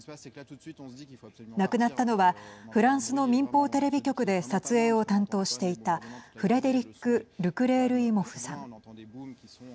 亡くなったのはフランスの民放テレビ局で撮影を担当していたフレデリック・ルクレールイモフさん。